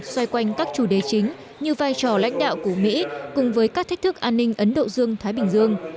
xoay quanh các chủ đề chính như vai trò lãnh đạo của mỹ cùng với các thách thức an ninh ấn độ dương thái bình dương